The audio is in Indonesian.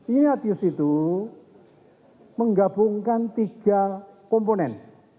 inatius itu menggabungkan tiga komponen